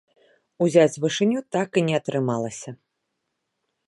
Узяць вышыню так і не атрымалася.